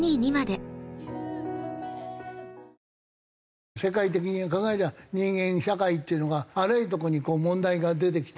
わぁ世界的に考えりゃ人間社会っていうのがあらゆるとこに問題が出てきて。